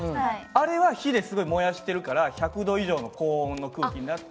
あれは火ですごい燃やしてるから１００℃以上の高温の空気になってて。